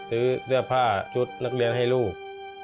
ซื้อเสื้อผ้าชุดนักเรียนให้ลูก